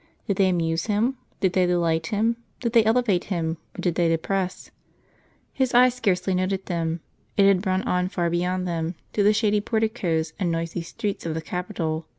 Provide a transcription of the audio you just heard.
did they amuse him ? did they delight him? did they elevate him, or did they depress? His eye scarcely noted them. It had run on far beyond them, to the shady porticoes and noisy streets of the cttr capital.